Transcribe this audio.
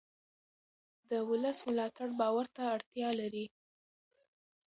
د ولس ملاتړ باور ته اړتیا لري